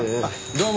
どうも。